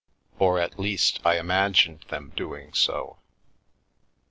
Or at least I im agined them doing so.